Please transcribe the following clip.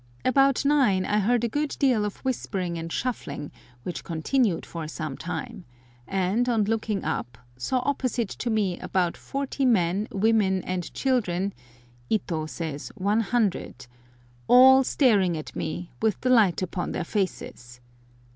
About nine I heard a good deal of whispering and shuffling, which continued for some time, and, on looking up, saw opposite to me about 40 men, women, and children (Ito says 100), all staring at me, with the light upon their faces.